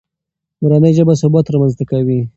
مورنۍ ژبه ثبات رامنځته کوي.